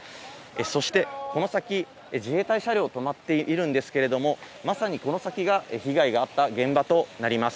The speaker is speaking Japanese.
そして、この先、自衛隊車両止まっているんですけれども、まさにこの先が被害があった現場となります。